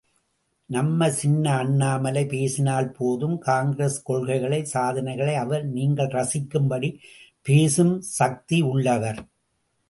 நம்ம சின்ன அண்ணாமலை பேசினால் போதும், காங்கிரஸ் கொள்கைகளை சாதனைகளை அவர் நீங்கள் ரசிக்கும்படி பேசும் சக்தி உளளவர்.